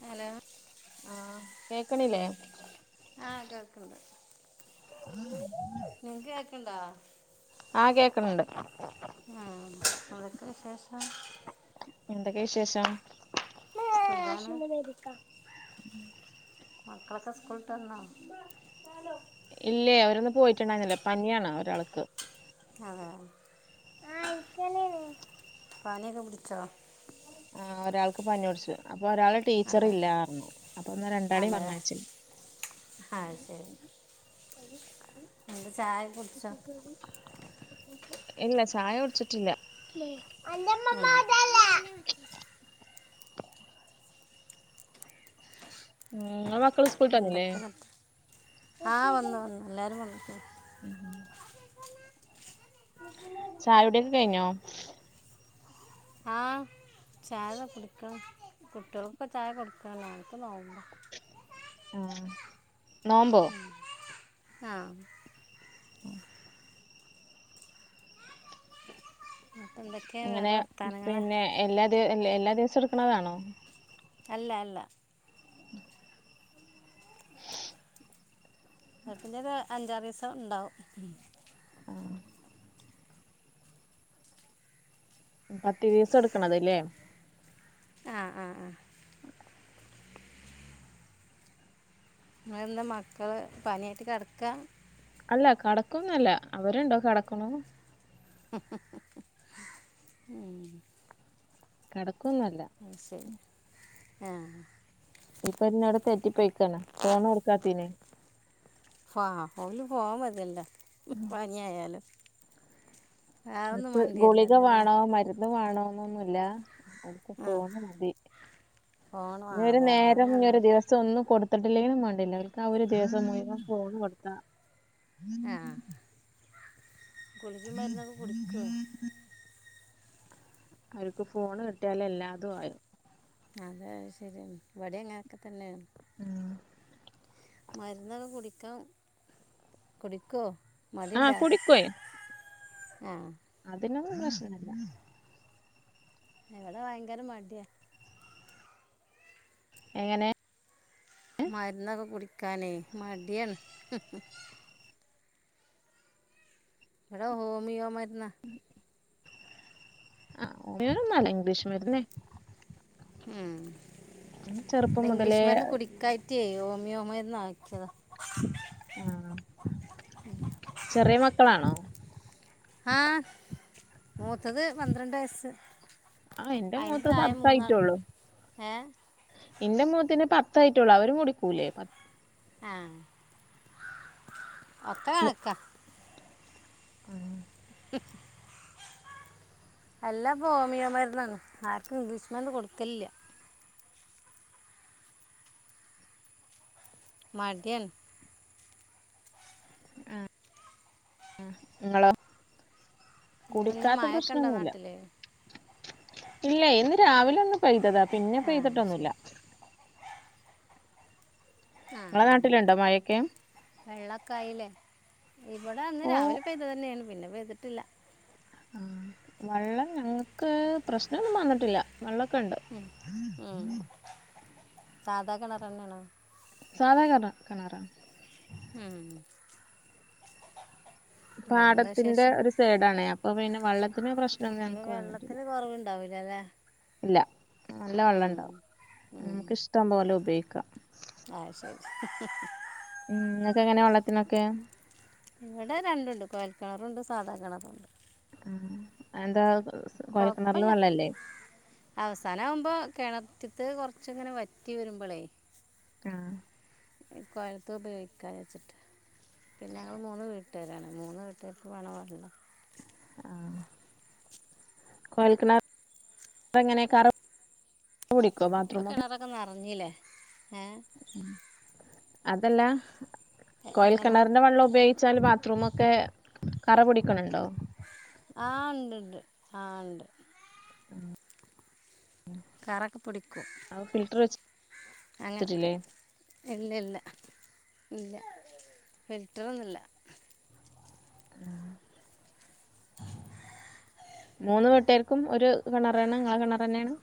Hello ആ കേക്കണില്ലേ ആ കേക്കണ്ട് നിങ്ങക്ക് കേക്കണ്ടോ? ആ കേക്കണ്ട്. ആ എന്തൊക്കെ വിശേഷം? സുഖാണ് മക്കളൊക്ക സ്കൂൾ വിട്ട് വന്നോ ഇല്ലേ അവരൊന്ന് പോയിട്ടുണ്ടായിരുന്നില്ല. പനിയാണ് ഒരാൾക്ക് അതെ പനിയൊക്കെ പിടിച്ചോ ആ ഒരാൾക്ക് പനിപിടിച്ചു അപ്പൊ ഒരാള് ടീച്ചർ അതെ ഇല്ലാ പറഞ്ഞ് അപ്പൊ എന്നാ രണ്ടാളേം പറഞ്ഞേച്ച് ആ ശരി [unintelligible] എന്താ ചായ കുടിച്ചോ ഇല്ല ചായ കുടിച്ചിട്ടില്ല ഉം ഉം [unintelligible] എന്തൊക്കെയാണ് ആ വന്നു വന്നു എല്ലാരും വന്നു [unintelligible] ചായുടി ഒക്കെ കയിഞ്ഞോ ആ ചായ കുടിക്കണ് കുട്ട്യോൾക്ക് ചായ കൊട്ക്കണ് ഞങ്ങക്ക് നോമ്പ ആ നോമ്പോ ആ [inaudible] എന്നിട്ട് എന്തൊക്കെയാ അങ്ങനെ വേറെ വർത്താനങ്ങള് പിന്നെ എല്ലാ ദിവ എല്ലാ ദിവസം എടുക്കണതാണോ അല്ല അല്ല അതിന്റേത് അഞ്ചാറ് ദീസം ഇണ്ടാവും പത്ത് ദിവസം എടുക്കണത് ലേ ആ ആ ആ നമ്മ എന്താ മക്കള് പനിയായിട്ട് കെടക്കാ അല്ല കടക്കൊന്നല്ല അവരുണ്ടോ കെടക്കണു ഉം കെടക്കൊന്നല്ല ആ ഇപ്പൊ ഇന്നോട് തെറ്റി പോയിക്കേണ് ഫോൺ കൊടുക്കാത്തേന് ആ ഓല് ഫോൺ മതിയല്ലേ പനിയായാലും വേറെ ഒന്നും അ വേണ്ടിയല്ലോ ഗുളിക അല്ലേ വേണോ മരുന്ന് വേണോന്നൊന്നുല്ല അവർക്ക് ആ ഫോണ് മതി ഫോൺ ആ ഈ ഒരു നേരം ഈ അതാരണല്ല ഒരു ദിവസം ഒന്നും കൊടു ത്തിട്ടില്ലെങ്കിലും വേണ്ടില്ല അവര്ക്ക് ആ ഒരു ദിവസം മുയുവൻ ഫോണ് കൊടുത്താ ആ ഗുളികേം മരുന്നൊക്ക കുടിക്കോ അവര്ക്ക് ഫോണ് കിട്ടിയാലേ എല്ലാതും ആയി അതെ ശരിയാണ് ഇവിടെങ്ങനൊക്കെ തന്നേണ് ഉം മരുന്നൊക്കെ കുടിക്കാം കുടിക്കോ ആ മടിയുണ്ടോ കുടിക്കും ആ അതിനൊന്നും പ്രശ്നല്ല ഇവിട ഭയങ്കര മടിയാ എങ്ങനെ ക്കാനെ മടിയാണ് ഇവടെ ഹോമിയോ മരുന്ന് ആ ഹോമിയോ ഒന്നല്ല ഇംഗ്ലീഷും മരുന്നേ ഉം ചെറുപ്പം ഇ മുതലേ ഇംഗ്ലീഷ് മരുന്ന് കുടിക്കായിറ്റേ ഹോമിയോ മരുന്ന് ആക്കിയത ആ ചെറിയ മക്കളാണോ ആ മൂത്തത് പന്ത്രണ്ട് വയസ്സ് ആ എന്റെ അതിൻ്റെ മൂത്ത താഴെ മൂന്നാൾ പത്തായിട്ടൊള്ളൊ ഏ എന്റെ മുത്തതിന് പത്തായിട്ടൊള്ളൊ അവരും കൂടിക്കൂലേ ആ ഒക്ക കണക്ക [unintelligible] [inaudible] അല്ലാപ്പൊമിയോമാരുന്നണ് ആർക്കും ഇംഗ്ലീഷ്മരുന്ന്കൊടുക്കൽല്ല മടിയാണ് അ ഉം ങ്ങളോ? ഇതെന്താ കുടിക്കാത്ത മഴയൊക്കെ ഉണ്ടോ പ്രശ്നൊന്നുല്ല നാട്ടിൽ ഇല്ലെയ് ഇന്ന് രാവിലൊന്ന് പെയ്തതാ ആ പിന്നെപെയ്തിട്ടൊന്നുല്ല ശരി ആഹഉ മഴയൊക്കെ വെള്ളൊക്കായില്ലേ? ഇവിടെഅന്ന് ഓ രാവിലെ പെയ്തതന്നെയാണ് പിന്നെപെയ്തിട്ടില്ല ആ വെള്ളംഞങ്ങക്ക് പ്രശ്നൊന്നുംവന്നിട്ടില്ല വെള്ളൊക്കെണ്ട്. സാധാകിണറന്നെണോ? സാധാ കെണ കെണറ ഉം വേറെന്താ പാടത്തിന്റെ വിശേഷം ഒരു സൈഡണെ അപ്പൊപിന്നെ വെള്ളത്തി ത്തിന് ഇപ്പൊ പ്രശ്നൊന്നുംങ്ങക്ക് വന്നിട്ടില്ല വെള്ളത്തിന് കുറവുണ്ടാവില്ല അല്ലേ ഇല്ല ഉം നല്ലവള്ളണ്ടാവും നമുക്ക്ഇഷ്ടംപോലെ ഉപയോഗിക്കാം ആശരി ഉം ങ്ങക്ക് എങ്ങനെവെള്ളത്തിനൊക്കെ? ഇവിടെരണ്ടുണ്ട് കോയൽക്കെണറുണ്ട് സാധാകെണറുണ്ട് അത് എന്ത കൊഴപ്പല്ല അവസാനആവുമ്പോ കിണറ്റത്ത് കൊർച്ചിങ്ങനെ വറ്റിവരുമ്പോളേ അ കൊയൽത്ത് ഉപയോഗിക്കാവെച്ചിട്ട് പിന്നെങ്ങള്മൂന്ന് വീട്ടാരാണ് മൂന്ന് വീട്ടുകാർക്കുംവള്ളംവാണല്ലോ കൊയൽ കെണർത്തത് എങ്ങനെ കറ പിടിക്കോ ബാത്റൂമൊക്കെ ഇപ്പൊകിണറൊക്കെനർഞ്ഞിലെ ഹെ അതല്ല കോയൽ കിണറിന്റെ വെള്ളം ഉപയോഗിച്ചാല് ബ ത്ത്റൂമൊക്കെ കറപുടിക്ക്ണണ്ടോ? ആ ഉണ്ട്ണ്ട് ആ ഉണ്ട് [inaudible] കറക്കെപ്പുടിക്കും അത് ഫിൽറ്റർ അങ്ങനൊക്കെ വെച്ചിട്ടില്ലേ ഇല്ല ഇല്ല ഇല്ല ഫിൽറ്ററൊന്നുല്ല [unintelligible] മൂന്ന് വീട്ടേർക്കും ഒരു കിണറാണ് നിങ്ങളെ കിണറെന്നെണ്?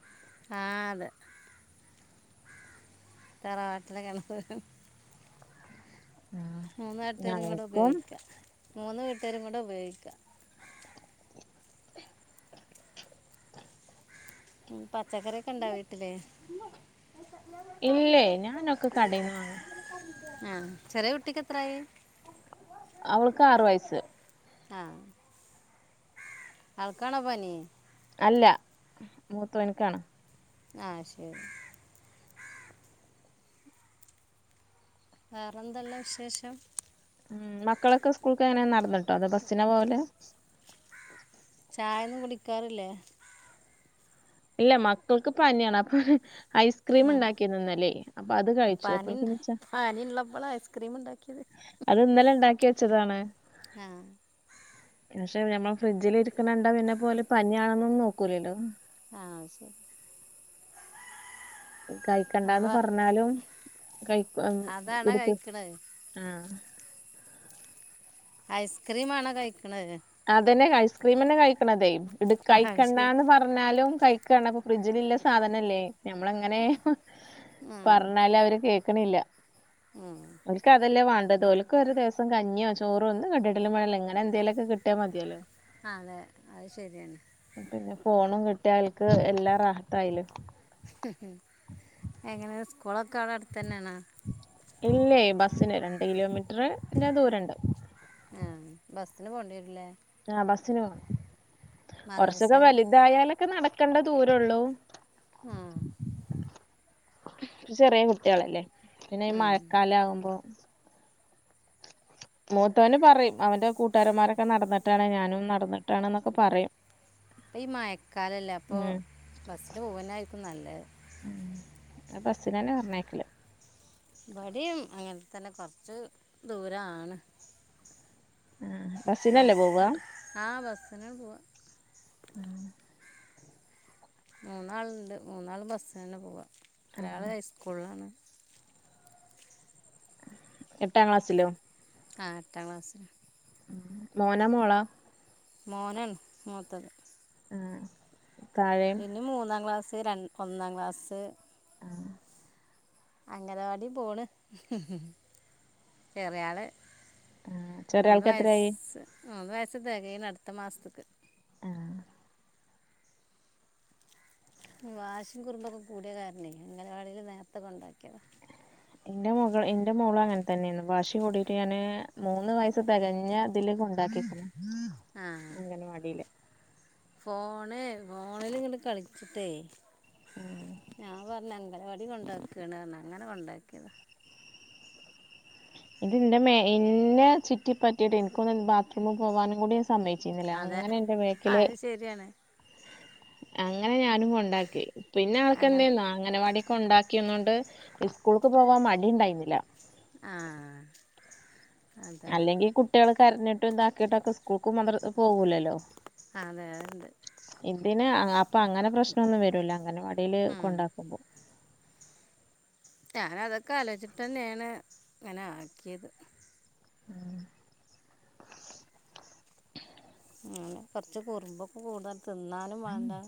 അ ആതെ തറവാട്ടിലെ കെണർ മൂന്നവട്ടുകരുംകൂടെ ഞങ്ങൾക്കും ഉപയോഗിക്കാം മൂന്ന് വീട്ടുകരുംകൂടെ ഉപയോഗിക്കാം ഉം പച്ചക്കറിയൊക്കെണ്ടോ വീട്ടില്? ഇല്ലേ ഞാനൊക്കെ കടെന്നവാ ആ ചെറിയകുട്ടിക്ക് എത്രായി? അവൾക്കാറുവയസ്സ് ആഹ ആൾക്കാണോ പനി? അല്ല മൂത്തവൻക്കാണ്. ആഹ ശരി. വേറെന്തൊള്ളെ വിശേഷം? ഉം മക്കളൊക്കെ സ്കൂൾക്കെങ്ങനെ നടന്നിട്ടോ അതൊബസ്സിനൊ പോവല്? ചായൊന്നും കുടിക്കാറില്ലേ? ഇല്ല മക്കൾക്ക് പനിയാണ് അപ്പൊന്നെ ഉം. ഐസ്ക്രീംമിണ്ടാക്കിന്ന് ന്നലേ അപ്പത് കഴിച്ചു പനി ഉണ്ട്- അപ്പൾക്കിനിച്ചാ പനി ഉള്ളപ്പോൾ ഐസ്ക്രീം ഉണ്ടാക്കിയത് അത് ന്നലെ ഇണ്ടാക്കി വെച്ചതാണ്. ആ പക്ഷെ ഞമ്മൾ ഫ്രിഡ്ജിലിരിക്കണണ്ട പിന്നെന്നെപോലെ പനിയാണെന്നൊന്നും നോക്കൂലല്ലോ. ആ ശരി. കഴിക്കണ്ടാന്ന് അപ്പോൾ പർഞ്ഞാലും ക അതാണോ എടുത്ത് കഴിക്കണത് ആ ഐസ്ക്രീംമാണോ കഴിക്കണത്? അതന്നെ ഐസ്ക്രീംമന്നെ കഴിക്കണതെ ഇത് ആ ശരി കഴിക്കണ്ടാന്ന് പർഞ്ഞാലും കഴിക്കാണ് ഫ്രിഡ്ജിലിള്ള സാധനല്ലേ, നമ്മളങ്ങനെ ആ പറഞ്ഞാല് അവര് കേ ക്കണില്ല ഉം. ഓൽക്കതല്ലേ വാ പ്പതോല്ക്കര് രസം കഞ്ഞിയോ ചോറോ ഒന്നും കിട്ടിട്ടിലും വേണംനില്ല എന്തേലൊക്കെ കിട്ടിയ മതിയാല്ലോ. ആ അതെ അത് ശരിയാണ്. മറ്റേ ആൾക്ക് എല്ലാ റാഹത്തായിലേ. എങ്ങനെ സ്കൂളൊക്കെ അവടെ അടുത്തന്നെയണോ? ഇല്ലേ ബസിന് രണ്ട് കിലോമീറ്ററ് പിന്നെ ദൂരണ്ട്. ആ ബസ്സിന് പോണ്ടി വരില്ലേ? ആ ബസിന് മദ്രസ കൊറച്ചൊക്കെ വലുതായാലക്കെ നട ക്കണ്ട ദൂരോള്ളൂ. ആ ചെറിയ കുട്ടികളല്ലേ പിന്നെ ഈ ഉം. മഴക്കാലാവുമ്പോ മൂത്തവന് പറയും അവന്റെ കൂട്ടുകാരന്മാരക്കെ നടന്നിട്ടാണ് ഞാനും നടന്നിട്ടാണ്ന്നൊക്കെ പറയും. അപ്പ ഈ മയക്കാലല്ലേ അപ്പൊ ഉം ബസ്സിന് പോവന്നായിരിക്കും നല്ലത്. ആ ബസിനന്ന പറഞ്ഞയക്കല്. മടിയും അങ്ങനെ തന്നെ കൊറച്ച് ദൂരാണ്. ബസ്സിനല്ലേ പോവ ബസ് ആ ബസിനാ പോവാ. മൂന്നാളുണ്ട് മൂന്നാള് ബസ്സിനന്നെ പോവാ ഒരാള് ഹൈസ്കൂളിലാണ്. എട്ടാം ക്ലാസ്സിലോ? ആ എട്ടാം ക്ലാസ്. മോനാ മോളാ? മോനാണ് മൂത്തത്. ആ താഴെ പിന്നെ മൂന്നാം ക്ലാസ് ര ഒന്നാം ക്ലാസ് ആ അംഗനവാടി പോണ് ചെറിയാള്. ആ ചെറിയ മൂന്ന് ആൾക്ക് എത്രയായി വയസ് മൂന്ന് വയസ് തെകേണ് അടുത്ത മാസത്തക്ക്. ആ വാശി കുറുമ്പൊക്കെ കൂടിയ കാരണെ അംഗനവാടില് നേർത്തക്കൊണ്ടാക്കിയത. എന്റെ മോകൾ എന്റെ മോളങ്ങനെ തന്നെണ് വാശി കൂടിയിട്ട് ഞാന് മൂന്ന് വയസ് തെകഞ്ഞതില് കൊ താക്കിക്കൊ ആ ഫോണ് ഫോണിലിങ്ങട്ട് കളിച്ചിട്ടേ ഞാൻ പറഞ്ഞ അംഗനവാടി കൊണ്ടാക്കാണ്ണാണ് അങ്ങനെ കൊണ്ടാക്കിയത. ഇതിന്റെ മേ എന്നെ ചുറ്റി പറ്റിട്ട് എനിക്കൊന്ന് ബാത്റൂമിൽ പോവാൻ കൂടി സമ്മയ്ച്ചിരുന്നില്ല. അതെ അങ്ങനെ എന്റെ ആ വേക്കില് അത് ശരിയാണ് അങ്ങനെ ഞാനും കൊണ്ടാക്കി പിന്നെ അങ്ങനെ ആൾക്കെന്തെന്നോ അംഗനവാടി കൊണ്ടാക്കിന്നൊണ്ട് സ്കൂൾക്ക് പോവാൻ മടിണ്ടായിന്നില്ല. ആ അതാണ് അല്ലെങ്കി കുട്ടികള് കരഞ്ഞിട്ടും ഇതാക്കിട്ടൊക്കെ സ്കൂൾക്ക് മദ്രശക്കും പോവൂലല്ലോ. അതെയതെ. പിന്നെ ആ അപ്പങ്ങനെ പ്രശ്നൊന്നും വരൂല അംഗനവാടി ഉം. കൊണ്ടാക്കുമ്പോ. ഞാനതൊക്കെ ആലോചിച്ചിട്ട് തന്നെയാണ് ഇങ്ങനെ ആക്കിയത് ഉം മ് കൊറച്ച് കുറുമ്പൊക്കെ കൂടുതൽ തിന്നാനും വേണ്ട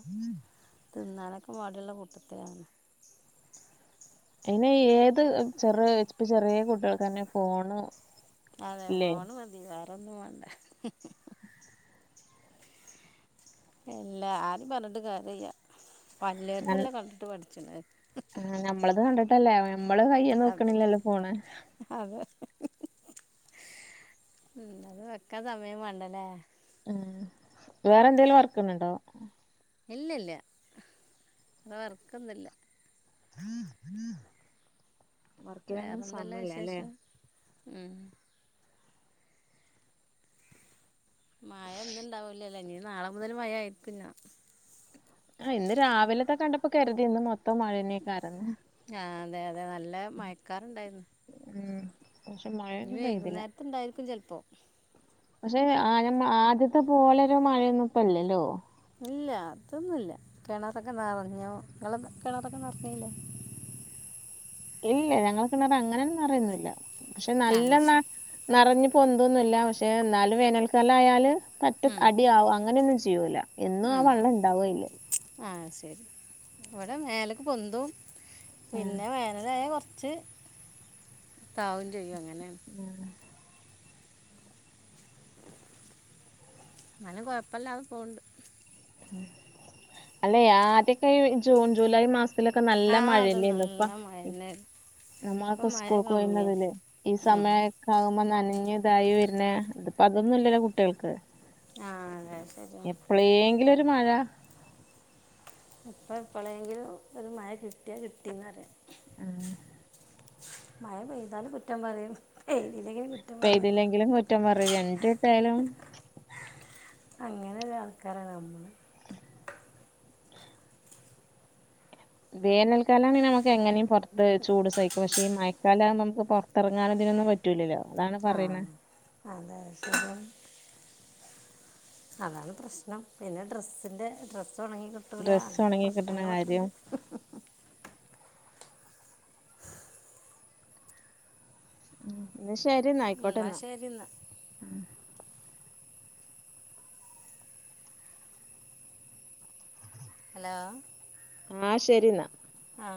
തിന്നാലൊക്കെ മടിയുള്ള കൂട്ടത്തിലാണ് അല്ലെ ഏത് ചെറിയ ഇപ്പ ചെറിയ കുട്ടികക്ക് തന്നെ ഫോണ് അതെ ഇല്ലേ ഫോണ് മതി വേറൊന്നും വേണ്ട എല്ല ആരും പറഞ്ഞിട്ട് കാര്യല്ല വല്യേൽതല്ലെ കണ്ടിട്ട് പഠിച്ചണേ ആ ഞമ്മളത് കണ്ട്ട്ടല്ലേ നമ്മള് കയ്യെ അത് നോക്കണില്ലല്ലോ ഫോണ് അത് അത് വെക്കാ സമയം വേണ്ടല്ലേ മ് വേറെ എന്തെലും വർക്ക്ന്ണ്ടോ ഇല്ല ഇല്ല വർക്കൊന്നില്ല വർക്കിനോന്നും സമയില്ലാലെ മ് മഴ ഒന്നും ഇന്ന്ണ്ടാവൂലല്ലെ നീ നാളെ മുതൽ മഴ ആയിരിക്കുംന്നാ ആ ഇന്ന് രാവിലത്തെ കണ്ടപ്പോ കരുതിന്ന് മൊത്തം മഴനെയക്കറന്ന് ആ അതെ അതെ നല്ല മയക്കാറ്ണ്ടായിരുന്നു ഉം പക്ഷെ മഴൊന്നും പെയ്തില്ല വൈകുന്നേരത്തുണ്ടായിരിക്കും ചെലപ്പോ പക്ഷെ ആ ആദ്യത്തെ പോലെരു മഴയൊന്നും ഇപ്പല്ലല്ലോ ഇല്ല അതൊന്നുല്ല കെണറൊക്കെ നെറഞ്ഞോ നിങ്ങളെ കെണറൊക്കെ നെറഞ്ഞല്ലോ ഇല്ല ഞങ്ങക്കിങ്ങനെത അങ്ങനെന്നും നെറയൊന്നില്ല പക്ഷെ ആ നല്ലോണം ശരി നെറഞ്ഞ് പൊന്തൊന്നുല്ല പക്ഷെ എന്നാലും വേനൽക്കാലം ആയാല് തട്ട് ഉം അടിയാവുംഅങ്ങനെയൊന്നും ചെയ്യൂല്ല എന്നും ആ ഉം. വെള്ളം ഇണ്ടാവയില് ആ ശരി അവിടെ മേലക്ക് പൊന്തും പിന്നെ വേനലായൽ കൊറ ച്ച് താഴും ചെയ്യും അങ്ങ ഉം ന്നാലും കൊഴപ്പല്ലാതെ പോണ് ണ്ട് അല്ല ആദ്യൊക്കെ ജൂൺ ജൂലൈ മാസം ക്കലൊക്കെ ആ നല്ല അത് മഴല്ലേന്ന് നല്ല ഇപ്പം മഴ തന്നെയായിരുന്നു നമ്മളൊക്കെ ഇപ്പം മഴ കമ്മിയാണ് സ്കൂൾക്കോയിന്നതില്ലേ ഈ ഉം. സമയക്കെ ആവുമ്പോ നനഞ്ഞ ഇതായി വരണേ അതൊന്നുംല്ലല്ലോ കുട്ടികൾക്ക് ആ അതെ ശരിയാണ് എപ്പളേ ങ്കിലും രു മഴ ഇപ്പൊ എപ്പളെങ്കിലും ഒരു മഴ കിട്ടിയാ കിട്ടീന്ന് പറയ ആ മഴ പെയ്താലുംകുറ്റം പറയും പെയ്തില്ലങ്കിലും കുറ്റം പറയും റ്റം പറയും രണ്ട്ട്ടായാലും അങ്ങനെ ഒരു ആൾക്കാരാ നമ്മള് വേനൽക്കാലാണേ നമക്ക് എങ്ങനെയും പൊറത്ത് ചൂട് സയിക്കും പക്ഷെ ഈ മഴക്കാലമ്പം നമുക്ക് പൊറത്തെറങ്ങാനൊക്കെ ന്നും പറ്റൂലല്ലോ അതാണ് ആ പറയണ അതെ ശരിയാണ് അതാണ് പ്രശ്നം പിന്നെ ഡ്രസ്സിന്റെ ഡ്രസ്സ് തൊണങ്ങി കിട്ടൂല ഡ്രസ്സ് ഉണങ്ങി കിട്ടണ കാര്യം പ്രശ്നങ്ങളൊക്കെണ്ട് മ് പിന്നെ ശരി എന്ന ആയിക്കോട്ടെ എന്നാ ഹലോ ന്നാ ശരിന്നാ ആ